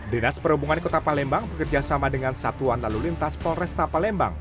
dinas perhubungan kota palembang bekerjasama dengan satuan lalu lintas polresta palembang